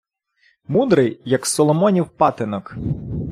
Мудрий, як Соломонів патинок.